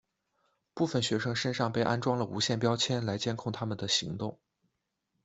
部分学生身上被安装了无线标签来监控他们的行动。